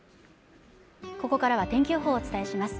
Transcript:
ここからは天気予報をお伝えします